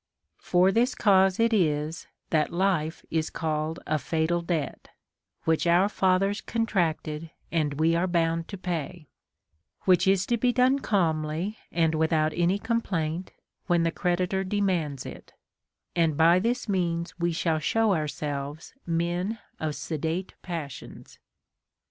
For this cause it is that life is called a fatal debt, which our fathers contracted and Ave are bound to pay ; which is to be done calmly and without any complaint, when the creditor demands it ; and by this means we shall show ourselves men of sedate passions.